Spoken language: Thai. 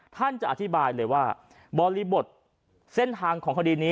ท่านจะอธิบายเลยว่าบริบทเส้นทางของคดีนี้